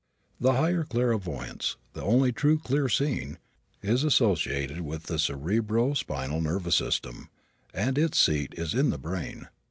The higher clairvoyance, the only true "clear seeing," is associated with the cerebro spinal nervous system and its seat is in the brain.